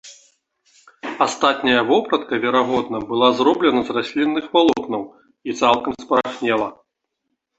Астатняя вопратка, верагодна, была зроблена з раслінных валокнаў і цалкам спарахнела.